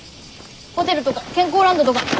ホテルとか健康ランドとか。